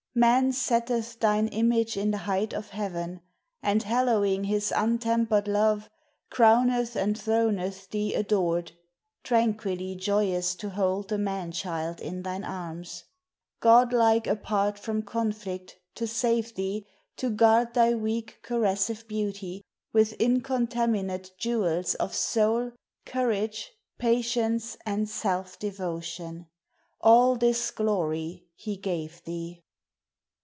Man setteth thine image in the height of Heaven And hallowing his untemper'd love Crowneth and throneth thee ador'd (Tranquilly joyous to hold The man child in thine arms) God like apart from conflict to save thee To guard thy weak caressive beauty With incontaminate jewels of soul Courage, patience, and self devotion: All this glory he gave thee.